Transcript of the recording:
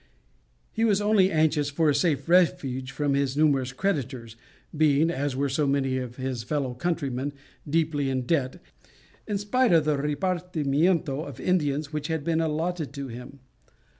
He was only anxious for a safe refuge from his numerous creditors, being, as were so many of his fellow countrymen, deeply in debt, in spite of the repartimiento of Indians which had been allotted to him.